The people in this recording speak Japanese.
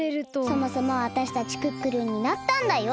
そもそもあたしたちクックルンになったんだよ？